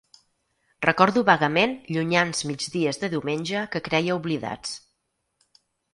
Recordo vagament llunyans migdies de diumenge que creia oblidats.